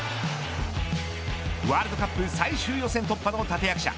ワールドカップ最終予選突破の立て役者